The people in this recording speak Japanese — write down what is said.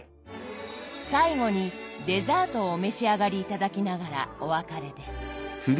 最後にデザートをお召し上がり頂きながらお別れです。